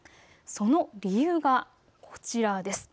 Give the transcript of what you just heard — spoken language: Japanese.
その理由がこちらです。